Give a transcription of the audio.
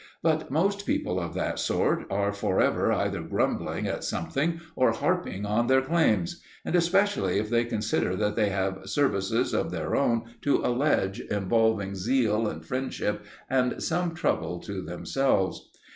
But most people of that sort are forever either grumbling at something, or harping on their claims; and especially if they consider that they have services of their own to allege involving zeal and friendship and some trouble to themselves.